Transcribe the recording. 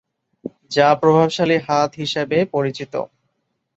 যা প্রভাবশালী হাত হিসাবে পরিচিত।